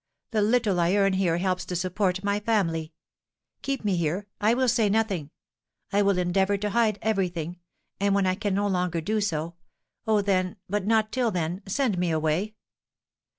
The little I earn here helps to support my family. Keep me here; I will say nothing. I will endeavour to hide every thing; and when I can no longer do so, oh, then, but not till then, send me away!'